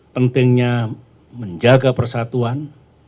pentingnya menjaga persatuan